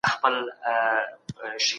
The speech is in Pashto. قصاص کي د ټولني لپاره ژوند نغښتی دی.